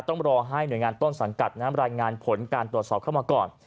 ต้องรอให้หน่วยงานต้นสังกัดน้ำรายงานผลการตรวจสอบเข้ามาก่อน